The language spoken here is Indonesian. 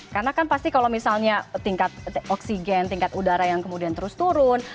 karena kan pasti kalau misalnya tingkat oksigen tingkat udara yang kemudian terus turun